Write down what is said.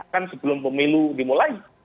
kan sebelum pemilu dimulai